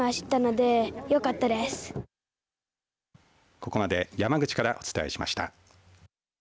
ここまで山口からお伝えしました。